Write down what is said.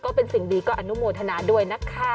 ก็เป็นสิ่งดีก็อนุโมทนาด้วยนะคะ